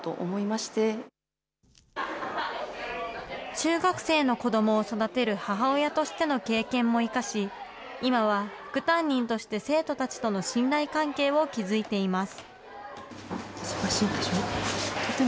中学生の子どもを育てる母親としての経験も生かし、今は副担任として生徒たちとの信頼関係を築いています。